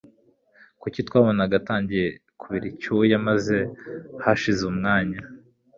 kuko twabonaga atangiye kubiricyuya maze hashize umwanya